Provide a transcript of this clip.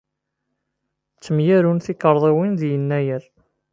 Ttemyarun tikerḍiwin di Yennayer.